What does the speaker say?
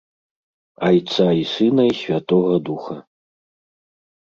- Айца i сына i святога духа!..